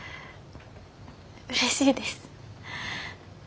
うれしいです。